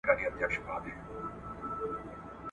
چي بنده سي څوک د مځکي د خدایانو !.